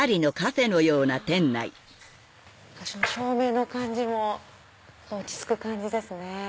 照明の感じも落ち着く感じですね。